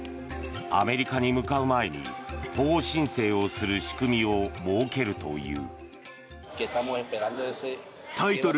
アメリカに向かう前に保護申請をする仕組みを設けるという。